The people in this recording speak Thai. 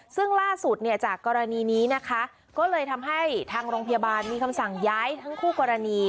ซึ่งล่าสุดเนี่ยจากกรณีนี้นะคะก็เลยทำให้ทางโรงพยาบาลมีคำสั่งย้ายทั้งคู่กรณี